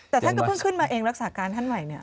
แต่ท่านก็เพิ่งขึ้นมาเองรักษาการท่านใหม่เนี่ย